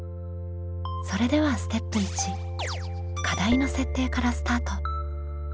それではステップ１課題の設定からスタート。